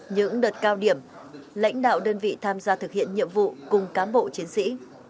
những đợt cao điểm lãnh đạo đơn vị tham gia thực hiện nhiệm vụ cùng cám bộ chiến sĩ